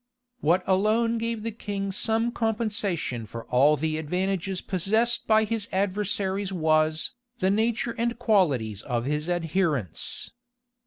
What alone gave the king some compensation for all the advantages possessed by his adversaries was, the nature and qualities of his adherents.